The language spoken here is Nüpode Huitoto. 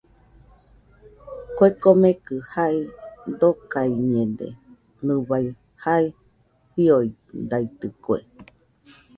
Kue komekɨ jae dokaiñede, nɨbai jae fiodaitɨkue.